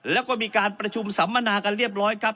แล้วก็มีการประชุมสัมมนากันเรียบร้อยครับ